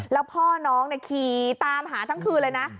แล้วพ่อน้องขี่ตามหาทั้งคืนเลยนะ